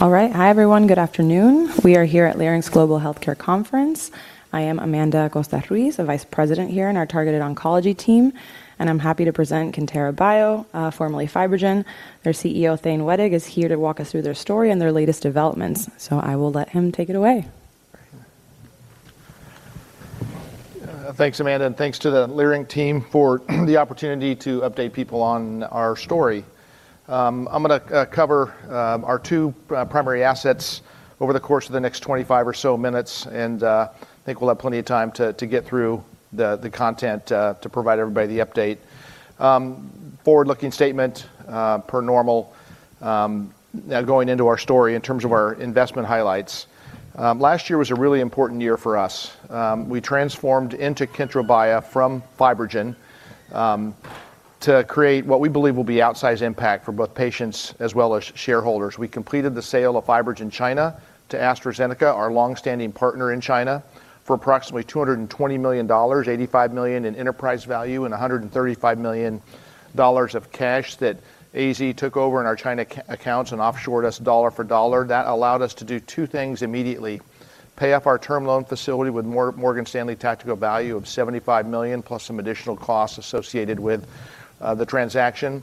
All right. Hi, everyone. Good afternoon. We are here at Leerink's Global Healthcare Conference. I am Amanda Acosta-Ruiz, Vice President here in our targeted oncology team, and I'm happy to present Kyntra Bio, formerly FibroGen. Their CEO, Thane Wettig, is here to walk us through their story and their latest developments. I will let him take it away. Thanks, Amanda, and thanks to the Leerink team for the opportunity to update people on our story. I'm gonna cover our two primary assets over the course of the next 25 or so minutes, and I think we'll have plenty of time to get through the content to provide everybody the update. Forward-looking statement per normal. Now going into our story in terms of our investment highlights. Last year was a really important year for us. We transformed into Kyntra Bio from FibroGen to create what we believe will be outsized impact for both patients as well as shareholders. We completed the sale of FibroGen China to AstraZeneca, our long-standing partner in China, for approximately $220 million, $85 million in enterprise value and $135 million of cash that AZ took over in our China cash accounts and offshored US dollar for dollar. That allowed us to do two things immediately, pay off our term loan facility with Morgan Stanley Tactical Value of $75 million, plus some additional costs associated with the transaction,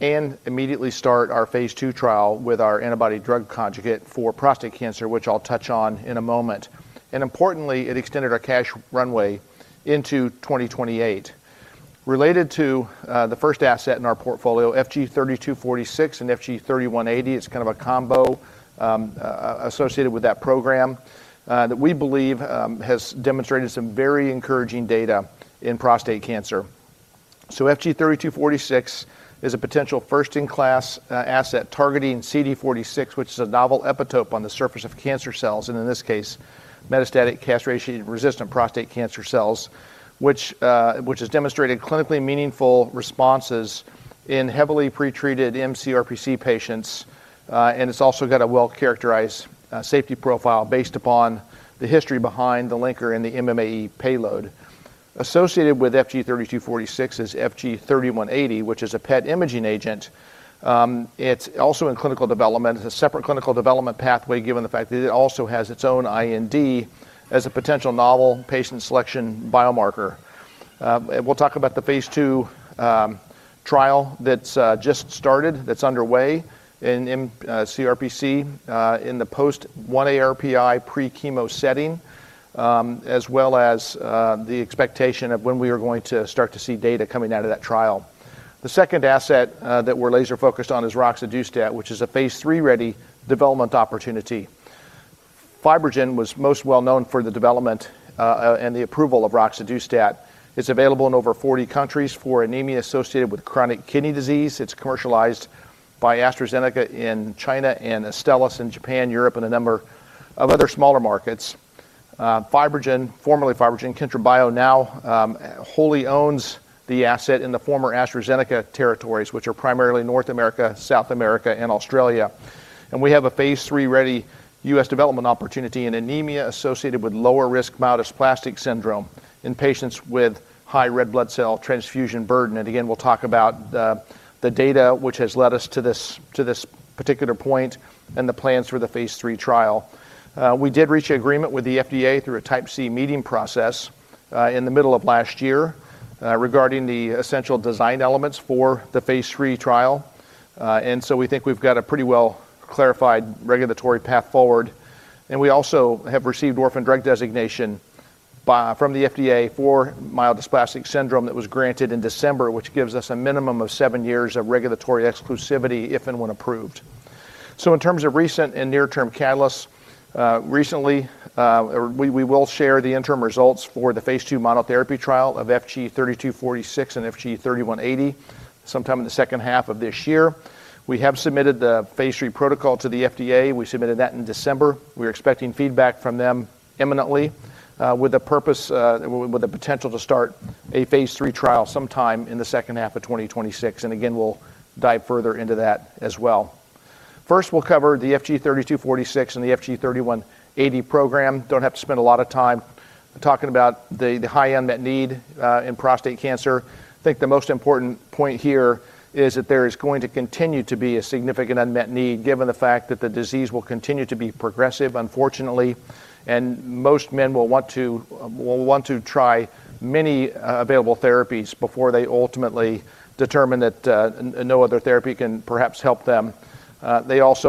and immediately start our phase II trial with our antibody drug conjugate for prostate cancer, which I'll touch on in a moment. Importantly, it extended our cash runway into 2028. Related to the first asset in our portfolio, FG-3246 and FG-3180. It's kind of a combo, associated with that program, that we believe, has demonstrated some very encouraging data in prostate cancer. FG-3246 is a potential first-in-class, asset targeting CD46, which is a novel epitope on the surface of cancer cells, and in this case, metastatic castration-resistant prostate cancer cells, which has demonstrated clinically meaningful responses in heavily pretreated mCRPC patients, and it's also got a well-characterized, safety profile based upon the history behind the linker and the MMAE payload. Associated with FG-3246 is FG-3180, which is a PET imaging agent. It's also in clinical development. It's a separate clinical development pathway, given the fact that it also has its own IND as a potential novel patient selection biomarker. We'll talk about the phase II trial that's just started, that's underway in mCRPC in the post one ARPI pre-chemo setting, as well as the expectation of when we are going to start to see data coming out of that trial. The second asset that we're laser-focused on is Roxadustat, which is a phase III-ready development opportunity. FibroGen was most well known for the development and the approval of Roxadustat. It's available in over 40 countries for anemia associated with chronic kidney disease. It's commercialized by AstraZeneca in China and Astellas in Japan, Europe, and a number of other smaller markets. FibroGen, formerly FibroGen, Kyntra Bio now wholly owns the asset in the former AstraZeneca territories, which are primarily North America, South America, and Australia. We have a phase III-ready U.S. development opportunity in anemia associated with lower risk myelodysplastic syndrome in patients with high red blood cell transfusion burden. Again, we'll talk about the data which has led us to this particular point and the plans for the phase III trial. We did reach an agreement with the FDA through a Type C meeting process in the middle of last year regarding the essential design elements for the phase III trial. We think we've got a pretty well clarified regulatory path forward. We also have received orphan drug designation from the FDA for myelodysplastic syndrome that was granted in December, which gives us a minimum of seven years of regulatory exclusivity if and when approved. In terms of recent and near-term catalysts, recently, we will share the interim results for the phase II monotherapy trial of FG-3246 and FG-3180 sometime in the second half of this year. We have submitted the phase III protocol to the FDA. We submitted that in December. We're expecting feedback from them imminently, with the potential to start a phase III trial sometime in the second half of 2026. Again, we'll dive further into that as well. First, we'll cover the FG-3246 and the FG-3180 program. Don't have to spend a lot of time talking about the high unmet need in prostate cancer. I think the most important point here is that there is going to continue to be a significant unmet need given the fact that the disease will continue to be progressive, unfortunately, and most men will want to try many available therapies before they ultimately determine that no other therapy can perhaps help them. There's also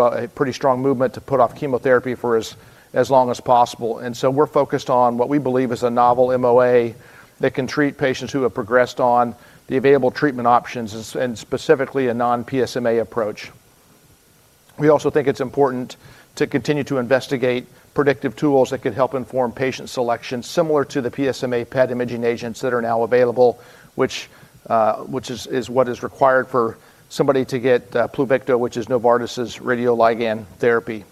a pretty strong movement to put off chemotherapy for as long as possible. We're focused on what we believe is a novel MOA that can treat patients who have progressed on the available treatment options and specifically a non-PSMA approach. We also think it's important to continue to investigate predictive tools that could help inform patient selection similar to the PSMA PET imaging agents that are now available, which is what is required for somebody to get Pluvicto, which is Novartis' radioligand therapy.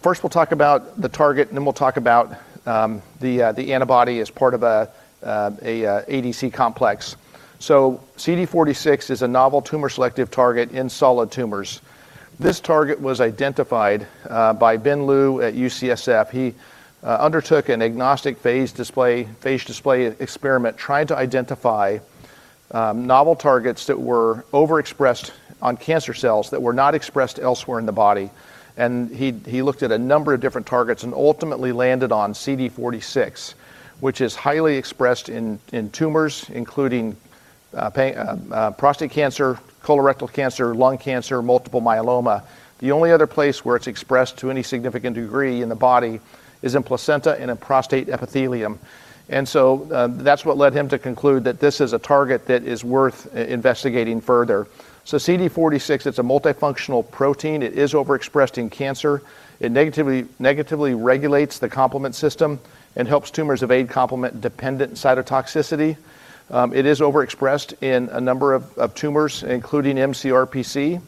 First we'll talk about the target, and then we'll talk about the antibody as part of a ADC complex. CD46 is a novel tumor-selective target in solid tumors. This target was identified by Bin Liu at UCSF. He undertook an agnostic phage display experiment trying to identify novel targets that were overexpressed on cancer cells that were not expressed elsewhere in the body, and he looked at a number of different targets and ultimately landed on CD46, which is highly expressed in tumors, including prostate cancer, colorectal cancer, lung cancer, multiple myeloma. The only other place where it's expressed to any significant degree in the body is in placenta and in prostate epithelium. That's what led him to conclude that this is a target that is worth investigating further. CD46 is a multifunctional protein. It is overexpressed in cancer. It negatively regulates the complement system and helps tumors evade complement-dependent cytotoxicity. It is overexpressed in a number of tumors, including mCRPC.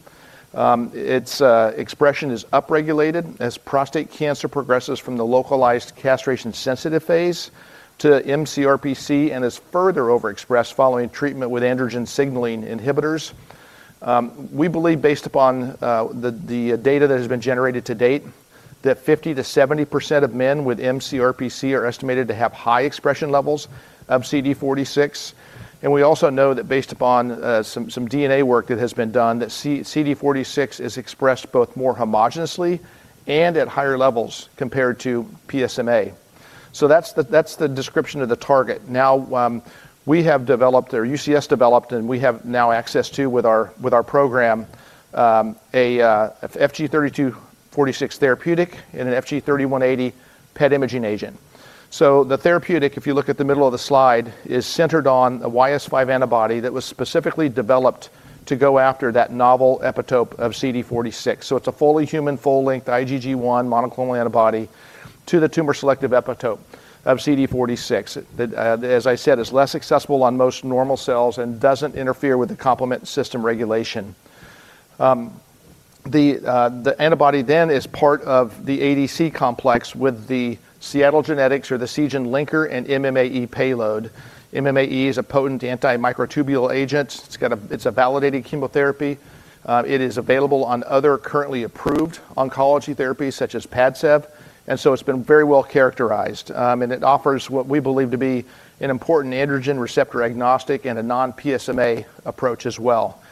Its expression is upregulated as prostate cancer progresses from the localized castration-sensitive phase to mCRPC and is further overexpressed following treatment with androgen signaling inhibitors. We believe based upon the data that has been generated to date that 50%-70% of men with mCRPC are estimated to have high expression levels of CD46. We also know that based upon some DNA work that has been done, that CD46 is expressed both more homogeneously and at higher levels compared to PSMA. That's the description of the target. Now, we have developed, or UCSF developed, and we have now access to with our program, a FG-3246 therapeutic and an FG-3180 PET imaging agent. The therapeutic, if you look at the middle of the slide, is centered on a YS5 antibody that was specifically developed to go after that novel epitope of CD46. It's a fully human, full-length IgG1 monoclonal antibody to the tumor-selective epitope of CD46. As I said, it is less accessible on most normal cells and doesn't interfere with the complement system regulation. The antibody then is part of the ADC complex with the Seattle Genetics or the Seagen linker and MMAE payload. MMAE is a potent anti-microtubule agent. It's a validated chemotherapy. It is available on other currently approved oncology therapies such as Padcev, and so it's been very well characterized. It offers what we believe to be an important androgen receptor agnostic and a non-PSMA approach as well.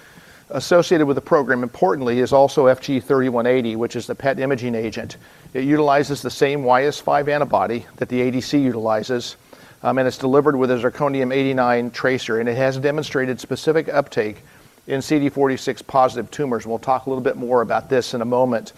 Associated with the program, importantly, is also FG-3180, which is the PET imaging agent. It utilizes the same YS5 antibody that the ADC utilizes, and it's delivered with a zirconium-89 tracer, and it has demonstrated specific uptake in CD46-positive tumors. We'll talk a little bit more about this in a moment,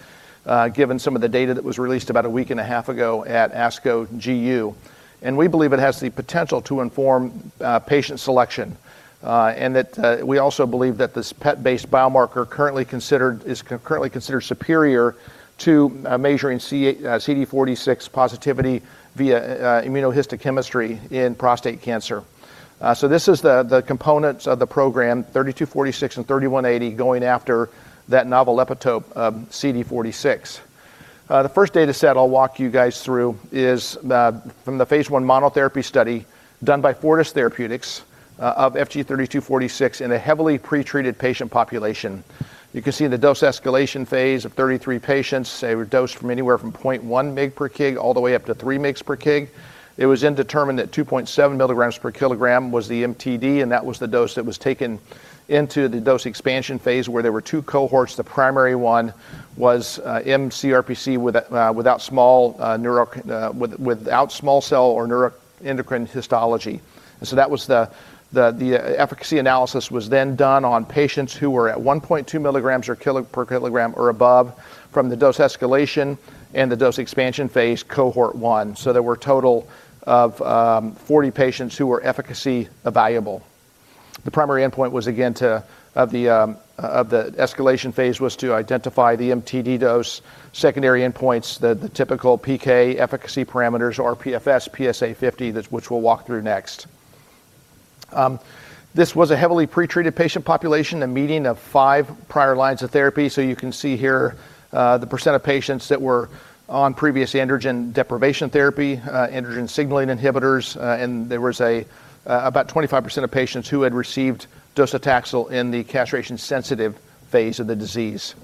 given some of the data that was released about a week and a half ago at ASCO GU. We believe it has the potential to inform patient selection, and that we also believe that this PET-based biomarker currently considered is currently considered superior to measuring CD46 positivity via immunohistochemistry in prostate cancer. This is the components of the program, FG-3246 and FG-3180 going after that novel epitope of CD46. The first data set I'll walk you guys through is from the phase I monotherapy study done by Fortis Therapeutics of FG-3246 in a heavily pretreated patient population. You can see the dose escalation phase of 33 patients. They were dosed from anywhere from 0.1 mg per kg all the way up to 3 mg per kg. It was then determined that 2.7 milligrams per kilogram was the MTD, and that was the dose that was taken into the dose expansion phase where there were two cohorts. The primary one was mCRPC without small cell or neuroendocrine histology. That was the efficacy analysis was then done on patients who were at 1.2 milligrams per kilogram or above from the dose escalation and the dose expansion phase cohort one. There were a total of 40 patients who were efficacy evaluable. The primary endpoint was, again, of the escalation phase was to identify the MTD dose. Secondary endpoints, the typical PK efficacy parameters, rPFS, PSA50, which we'll walk through next. This was a heavily pretreated patient population, a median of five prior lines of therapy. You can see here, the percent of patients that were on previous androgen deprivation therapy, androgen signaling inhibitors, and there was about 25% of patients who had received docetaxel in the castration-sensitive phase of the disease.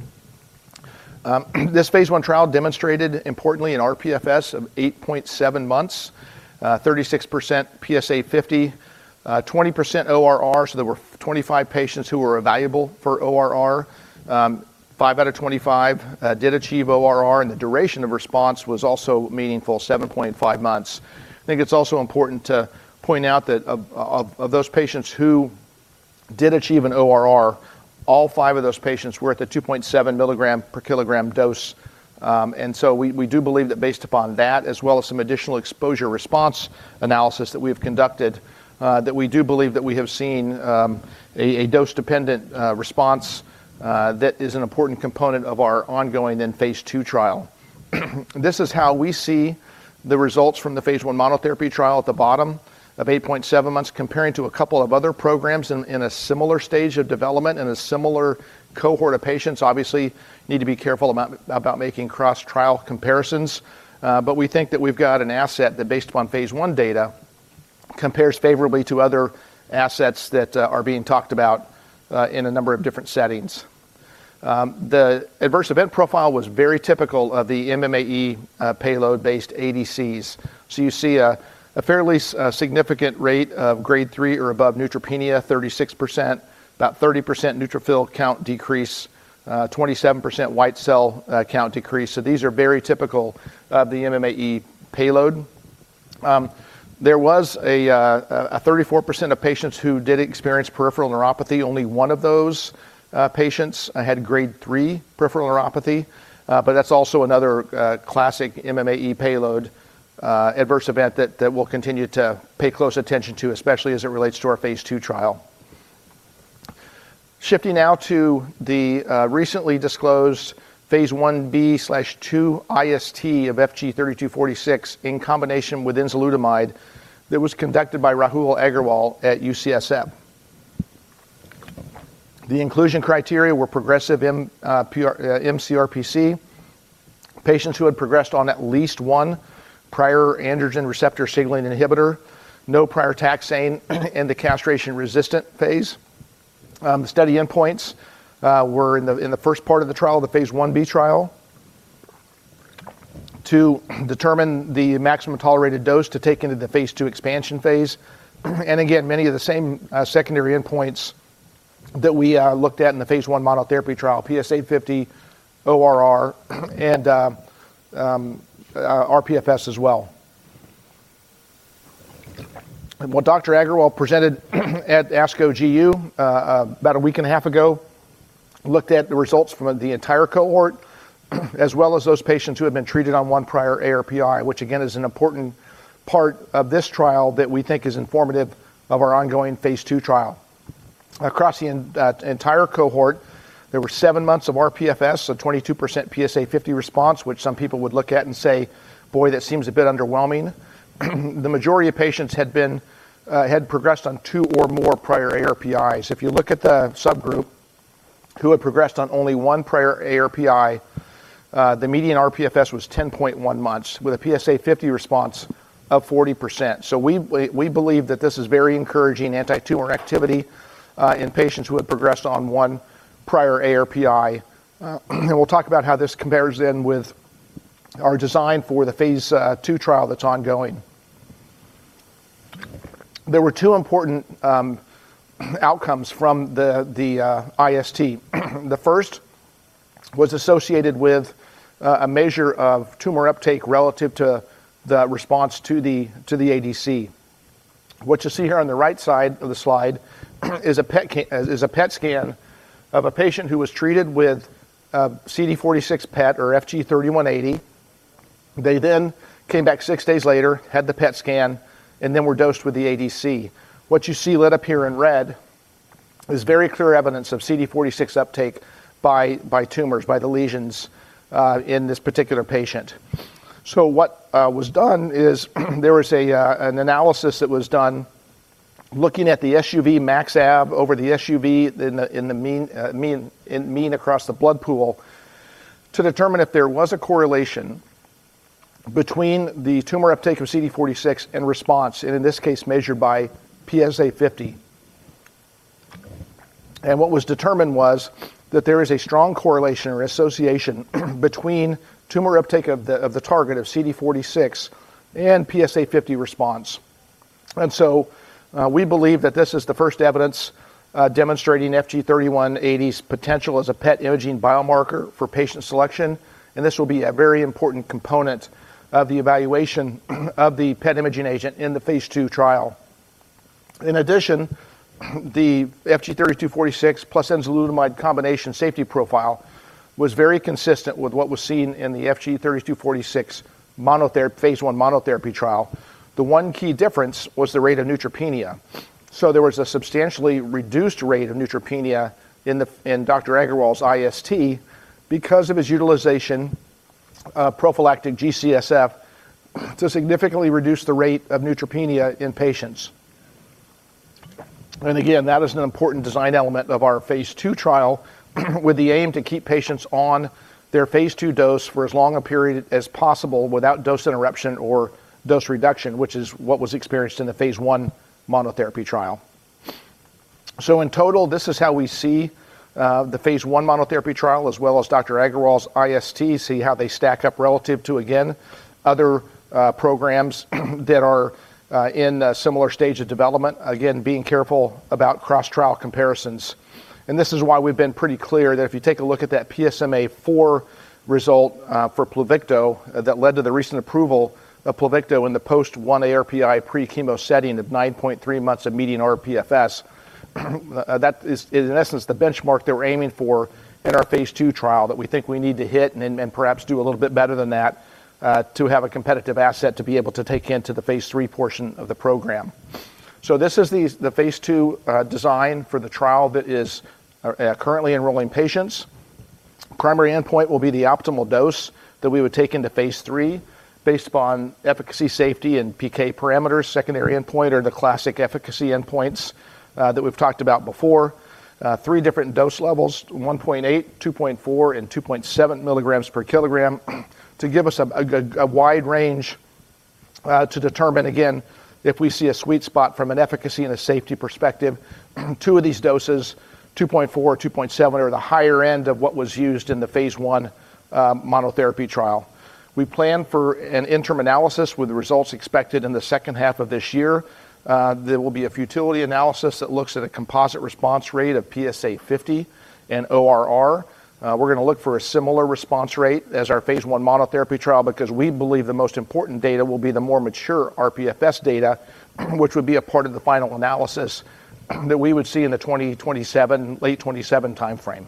This phase I trial demonstrated importantly an rPFS of 8.7 months, 36% PSA50, 20% ORR, so there were 25 patients who were evaluable for ORR. Five out of 25 did achieve ORR, and the duration of response was also meaningful, 7.5 months. I think it's also important to point out that of those patients who did achieve an ORR, all five of those patients were at the 2.7 milligram per kilogram dose. We do believe that based upon that, as well as some additional exposure response analysis that we have conducted, that we do believe that we have seen a dose-dependent response that is an important component of our ongoing phase II trial. This is how we see the results from the phase I monotherapy trial at the bottom of 8.7 months comparing to a couple of other programs in a similar stage of development and a similar cohort of patients. Obviously, need to be careful about making cross-trial comparisons, but we think that we've got an asset that, based upon phase I data, compares favorably to other assets that are being talked about in a number of different settings. The adverse event profile was very typical of the MMAE payload-based ADCs. You see a fairly significant rate of grade three or above neutropenia, 36%, about 30% neutrophil count decrease, 27% white cell count decrease. These are very typical of the MMAE payload. There was a 34% of patients who did experience peripheral neuropathy. Only one of those patients had grade three peripheral neuropathy, but that's also another classic MMAE payload adverse event that we'll continue to pay close attention to, especially as it relates to our phase II trial. Shifting now to the recently disclosed phase Ib/2 IST of FG-3246 in combination with enzalutamide that was conducted by Rahul Aggarwal at UCSF. The inclusion criteria were progressive mCRPC, patients who had progressed on at least one prior androgen receptor signaling inhibitor, no prior taxane in the castration-resistant phase. The study endpoints were in the first part of the trial, the phase Ib trial, to determine the maximum tolerated dose to take into the phase II expansion phase, and again, many of the same secondary endpoints that we looked at in the phase I monotherapy trial, PSA50, ORR, and rPFS as well. What Dr. Aggarwal presented at ASCO GU about a week and a half ago looked at the results from the entire cohort as well as those patients who had been treated on one prior ARPI, which again is an important part of this trial that we think is informative of our ongoing phase II trial. Across the entire cohort, there were seven months of rPFS, so 22% PSA50 response, which some people would look at and say, "Boy, that seems a bit underwhelming." The majority of patients had progressed on two or more prior ARPIs. If you look at the subgroup who had progressed on only one prior ARPI, the median rPFS was 10.1 months with a PSA50 response of 40%. We believe that this is very encouraging antitumor activity in patients who had progressed on one prior ARPI. We'll talk about how this compares then with our design for the phase II trial that's ongoing. There were two important outcomes from the IST. The first was associated with a measure of tumor uptake relative to the response to the ADC. What you see here on the right side of the slide is a PET scan of a patient who was treated with CD46 PET or FG-3180. They then came back six days later, had the PET scan, and then were dosed with the ADC. What you see lit up here in red is very clear evidence of CD46 uptake by tumors, by the lesions in this particular patient. What was done is there was an analysis that was done looking at the SUVmax over the SUVmean across the blood pool to determine if there was a correlation between the tumor uptake of CD46 and response, and in this case, measured by PSA50. What was determined was that there is a strong correlation or association between tumor uptake of the target of CD46 and PSA50 response. We believe that this is the first evidence demonstrating FG-3180's potential as a PET imaging biomarker for patient selection, and this will be a very important component of the evaluation of the PET imaging agent in the phase II trial. In addition, the FG-3246 plus enzalutamide combination safety profile was very consistent with what was seen in the FG-3246 phase I monotherapy trial. The one key difference was the rate of neutropenia. There was a substantially reduced rate of neutropenia in Dr. Aggarwal's IST because of his utilization of prophylactic G-CSF to significantly reduce the rate of neutropenia in patients. Again, that is an important design element of our phase II trial with the aim to keep patients on their phase II dose for as long a period as possible without dose interruption or dose reduction, which is what was experienced in the phase I monotherapy trial. In total, this is how we see the phase I monotherapy trial as well as Dr. Aggarwal's IST, see how they stack up relative to other programs that are in a similar stage of development, again, being careful about cross-trial comparisons. This is why we've been pretty clear that if you take a look at that PSMAfore result for Pluvicto that led to the recent approval of Pluvicto in the post-ARPI pre-chemo setting of 9.3 months of median rPFS, that is in essence the benchmark that we're aiming for in our phase II trial that we think we need to hit and perhaps do a little bit better than that to have a competitive asset to be able to take into the phase III portion of the program. This is the phase II design for the trial that is currently enrolling patients. Primary endpoint will be the optimal dose that we would take into phase III based upon efficacy, safety, and PK parameters. Secondary endpoint are the classic efficacy endpoints that we've talked about before. Three different dose levels, 1.8, 2.4, and 2.7 milligrams per kilogram to give us a good, wide range to determine again if we see a sweet spot from an efficacy and a safety perspective, two of these doses, 2.4, 2.7 are the higher end of what was used in the phase I monotherapy trial. We plan for an interim analysis with results expected in the second half of this year. There will be a futility analysis that looks at a composite response rate of PSA50 and ORR. We're going to look for a similar response rate as our phase I monotherapy trial because we believe the most important data will be the more mature rPFS data, which would be a part of the final analysis that we would see in the 2027, late 2027 timeframe.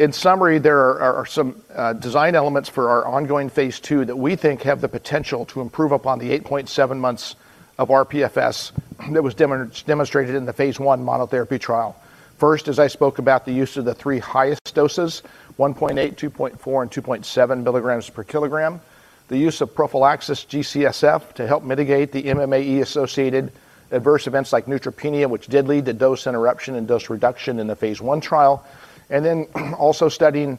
In summary, there are some design elements for our ongoing phase II that we think have the potential to improve upon the 8.7 months of rPFS that was demonstrated in the phase I monotherapy trial. First, as I spoke about the use of the three highest doses, 1.8, 2.4 and 2.7 milligrams per kilogram. The use of prophylaxis G-CSF to help mitigate the MMAE-associated adverse events like neutropenia, which did lead to dose interruption and dose reduction in the phase I trial. Studying,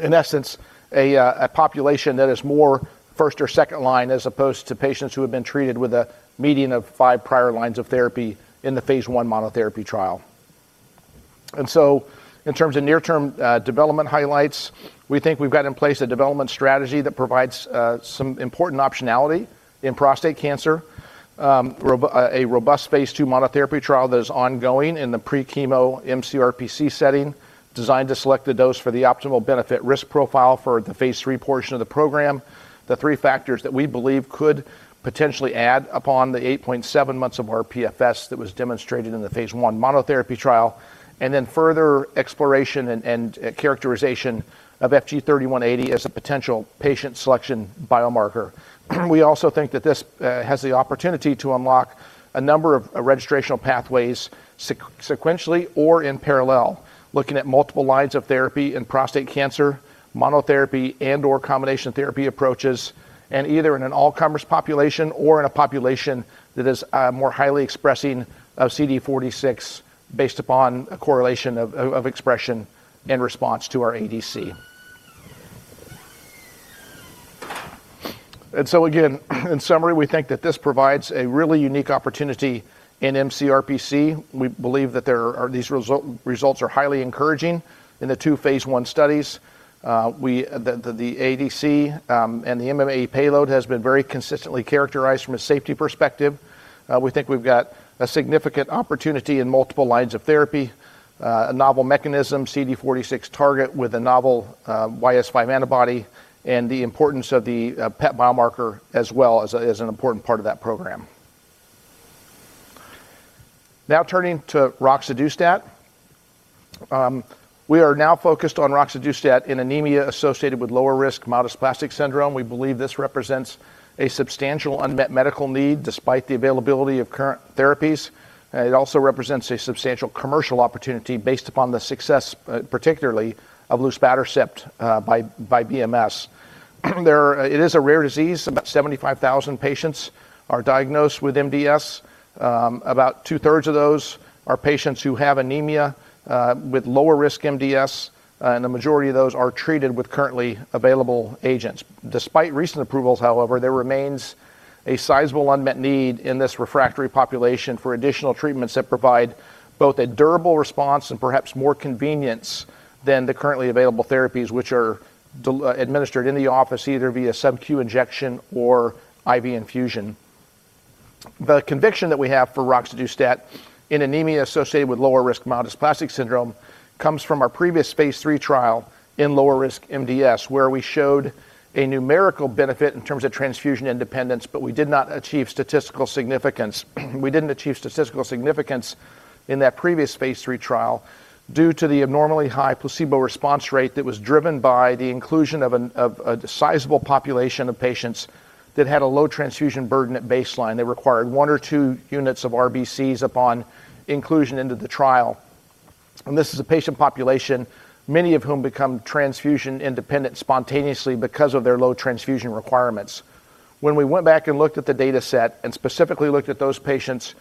in essence, a population that is more first- or second-line as opposed to patients who have been treated with a median of five prior lines of therapy in the phase I monotherapy trial. In terms of near-term development highlights, we think we've got in place a development strategy that provides some important optionality in prostate cancer, a robust phase II monotherapy trial that is ongoing in the pre-chemo mCRPC setting designed to select the dose for the optimal benefit-risk profile for the phase III portion of the program. The three factors that we believe could potentially add upon the 8.7 months of rPFS that was demonstrated in the phase I monotherapy trial, and then further exploration and characterization of FG-3180 as a potential patient selection biomarker. We also think that this has the opportunity to unlock a number of registrational pathways sequentially or in parallel, looking at multiple lines of therapy in prostate cancer, monotherapy and/or combination therapy approaches, and either in an all-comers population or in a population that is more highly expressing of CD46 based upon a correlation of expression in response to our ADC. In summary, we think that this provides a really unique opportunity in mCRPC. We believe that these results are highly encouraging in the two phase one studies. The ADC and the MMAE payload has been very consistently characterized from a safety perspective. We think we've got a significant opportunity in multiple lines of therapy, a novel mechanism, CD46 target with a novel YS5 antibody, and the importance of the PET biomarker as well as an important part of that program. Now turning to Roxadustat. We are now focused on Roxadustat in anemia associated with lower risk myelodysplastic syndrome. We believe this represents a substantial unmet medical need despite the availability of current therapies. It also represents a substantial commercial opportunity based upon the success, particularly of Luspatercept, by BMS. It is a rare disease. About 75,000 patients are diagnosed with MDS. About two-thirds of those are patients who have anemia with lower risk MDS, and the majority of those are treated with currently available agents. Despite recent approvals, however, there remains a sizable unmet need in this refractory population for additional treatments that provide both a durable response and perhaps more convenience than the currently available therapies, which are administered in the office either via sub-Q injection or IV infusion. The conviction that we have for roxadustat in anemia associated with lower risk myelodysplastic syndrome comes from our previous phase III trial in lower risk MDS, where we showed a numerical benefit in terms of transfusion independence, but we did not achieve statistical significance. We didn't achieve statistical significance in that previous phase III trial due to the abnormally high placebo response rate that was driven by the inclusion of a sizable population of patients that had a low transfusion burden at baseline. They required one or two units of RBCs upon inclusion into the trial. This is a patient population, many of whom become transfusion independent spontaneously because of their low transfusion requirements. When we went back and looked at the dataset and specifically looked at those patients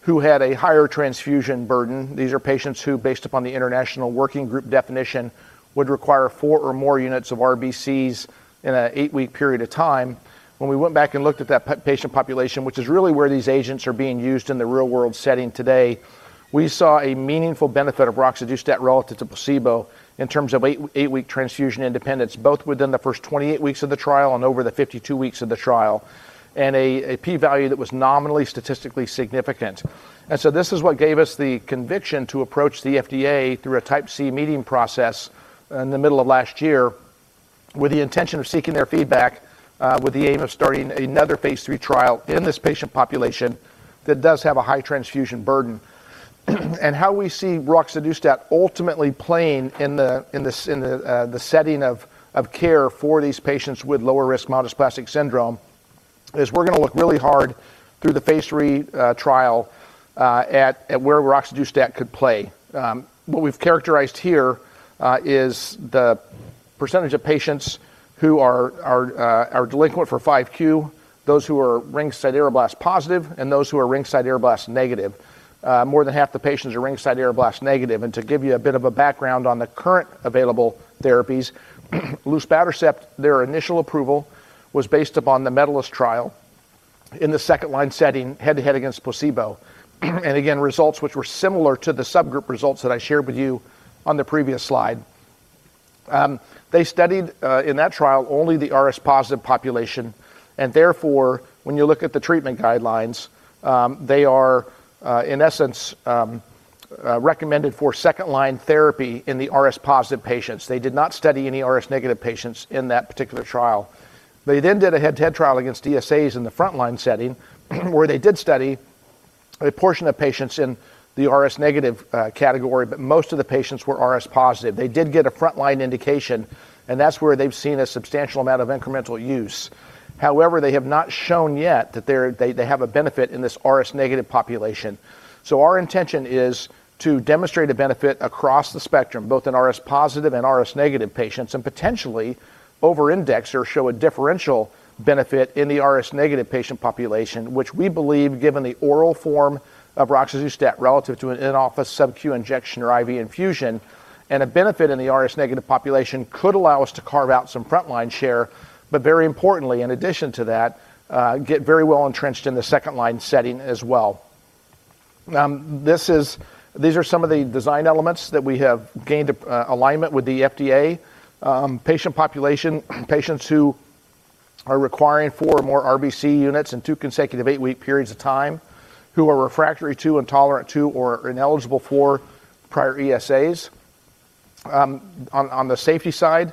who had a higher transfusion burden, these are patients who, based upon the international working group definition, would require four or more units of RBCs in an eight-week period of time. When we went back and looked at that patient population, which is really where these agents are being used in the real world setting today, we saw a meaningful benefit of Roxadustat relative to placebo in terms of eight-week transfusion independence, both within the first 28 weeks of the trial and over the 52 weeks of the trial, and a P value that was nominally statistically significant. This is what gave us the conviction to approach the FDA through a Type C meeting process in the middle of last year with the intention of seeking their feedback with the aim of starting another phase III trial in this patient population that does have a high transfusion burden. How we see roxadustat ultimately playing in the setting of care for these patients with lower risk myelodysplastic syndrome is we're going to look really hard through the phase III trial at where roxadustat could play. What we've characterized here is the percentage of patients who are del(5q), those who are ring sideroblast positive and those who are ring sideroblast negative. More than half the patients are ring sideroblast negative. To give you a bit of a background on the current available therapies, Luspatercept, their initial approval was based upon the MEDALIST trial in the second-line setting, head-to-head against placebo, and again, results which were similar to the subgroup results that I shared with you on the previous slide. They studied in that trial only the RS-positive population, and therefore, when you look at the treatment guidelines, they are in essence recommended for second-line therapy in the RS-positive patients. They did not study any RS-negative patients in that particular trial. They then did a head-to-head trial against ESAs in the front-line setting where they did study a portion of patients in the RS-negative category, but most of the patients were RS-positive. They did get a front-line indication, and that's where they've seen a substantial amount of incremental use. However, they have not shown yet that they have a benefit in this RS-negative population. Our intention is to demonstrate a benefit across the spectrum, both in RS positive and RS negative patients, and potentially over-index or show a differential benefit in the RS-negative patient population, which we believe, given the oral form of Roxadustat relative to an in-office sub-Q injection or IV infusion and a benefit in the RS-negative population could allow us to carve out some front-line share, but very importantly, in addition to that, get very well entrenched in the second-line setting as well. These are some of the design elements that we have gained alignment with the FDA. Patient population, patients who are requiring four or more RBC units in two consecutive eight-week periods of time, who are refractory to, intolerant to, or are ineligible for prior ESAs. On the safety side,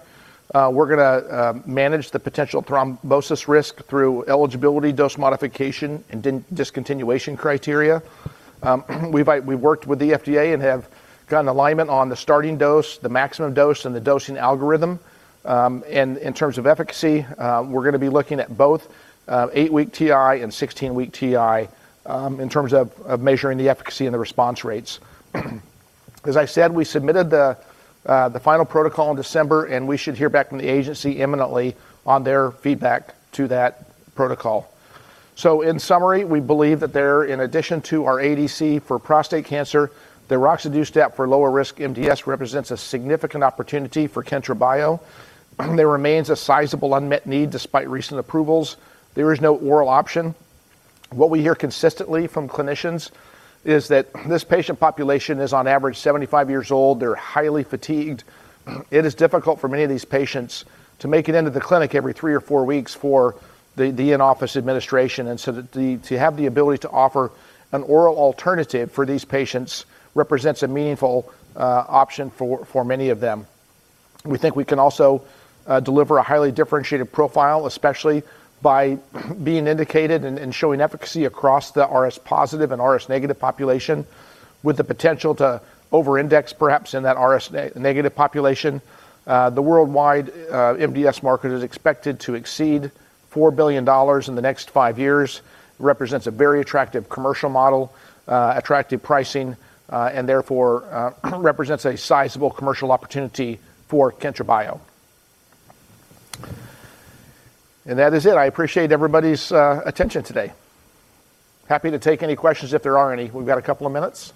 we're gonna manage the potential thrombosis risk through eligibility dose modification and discontinuation criteria. We've worked with the FDA and have gotten alignment on the starting dose, the maximum dose, and the dosing algorithm. In terms of efficacy, we're gonna be looking at both eight-week TI and 16-week TI in terms of measuring the efficacy and the response rates. As I said, we submitted the final protocol in December, and we should hear back from the agency imminently on their feedback to that protocol. In summary, we believe that in addition to our ADC for prostate cancer, the Roxadustat for lower risk MDS represents a significant opportunity for Kyntra Bio. There remains a sizable unmet need despite recent approvals. There is no oral option. What we hear consistently from clinicians is that this patient population is on average 75 years old. They're highly fatigued. It is difficult for many of these patients to make it into the clinic every three or four weeks for the in-office administration, and so to have the ability to offer an oral alternative for these patients represents a meaningful option for many of them. We think we can also deliver a highly differentiated profile, especially by being indicated and showing efficacy across the RS-positive and RS-negative population with the potential to over-index perhaps in that RS-negative population. The worldwide MDS market is expected to exceed $4 billion in the next five years, represents a very attractive commercial model, attractive pricing, and therefore, represents a sizable commercial opportunity for Kyntra Bio. That is it. I appreciate everybody's attention today. Happy to take any questions if there are any. We've got a couple of minutes.